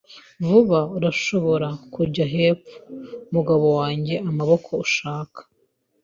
vuba. “Urashobora kujya hepfo, mugabo wanjye. Amaboko azashaka